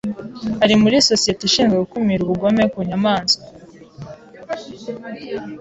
Ari muri Sosiyete ishinzwe gukumira ubugome ku nyamaswa.